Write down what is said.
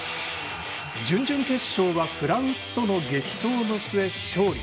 準々決勝はフランスとの激闘の末、勝利。